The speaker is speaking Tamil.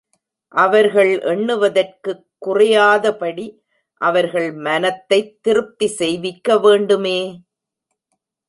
அவர்கள் எண்ணுவதற்குக் குறையாதபடி அவர்கள் மனத்தைத் திருப்தி செய்விக்க வேண்டுமே!